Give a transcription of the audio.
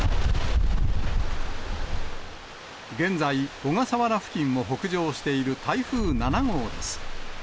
現在、小笠原付近を北上している台風７号です。